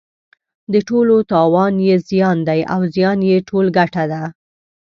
د ټولو تاوان یې زیان دی او زیان یې ټول ګټه ده.